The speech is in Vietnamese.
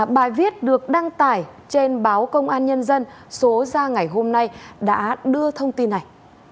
bài viết được đăng tải trên báo công an nhân dân số ra ngày hôm nay đã đưa thông tin này